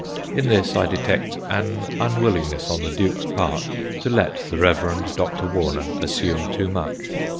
In this I detect an unwillingness on the Duke's part to let the Rev. Dr. Warner assume too much.